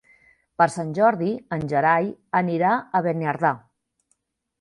Per Sant Jordi en Gerai anirà a Beniardà.